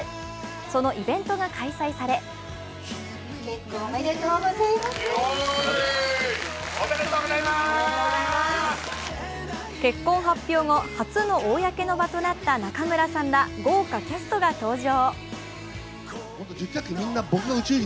そのイベントが開催され結婚発表後初の公の場となった中村さんら豪華キャストが登場。